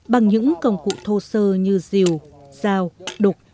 bằng những công cụ thô sơ như rìu dao đục